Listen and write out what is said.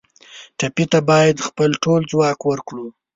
ټپي ته باید خپل ټول ځواک ورکړو.